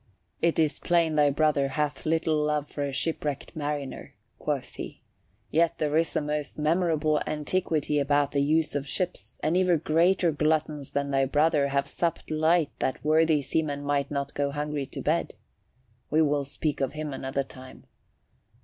"It is plain thy brother hath little love for a shipwrecked mariner," quoth he, "yet there is a most memorable antiquity about the use of ships, and even greater gluttons than thy brother have supped light that worthy seamen might not go hungry to bed. We will speak of him another time.